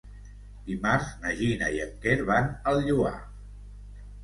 Dimarts na Gina i en Quer van al Lloar.